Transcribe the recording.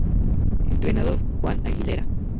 Entrenador: Juan Aguilera